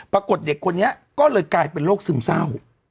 ปรากฏเด็กคนนี้ก็เลยกลายเป็นโรคซึมเศร้า